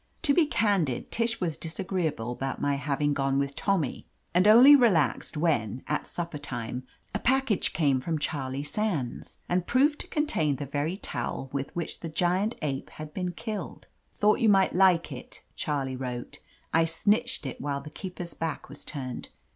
To be can did, Tish was disagreeable about my having gone with Tommy, and only relaxed when, at supper time, a package came from Charlie Sands, and proved to contain the very towel with which the giant ape had been killed, "Thought you might like it," Charlie wrote. "I snitched it while the keeper's back was turned.